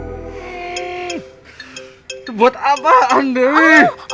itu buat apa andewi